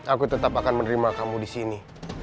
aku tetap akan menerima kamu di sini